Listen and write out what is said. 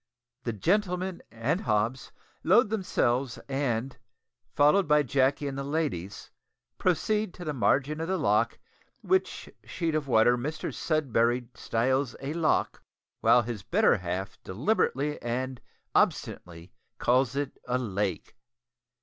The gentlemen and Hobbs load themselves, and, followed by Jacky and the ladies, proceed to the margin of the loch, which sheet of water Mr Sudberry styles a "lock," while his better half deliberately and obstinately calls it a "lake."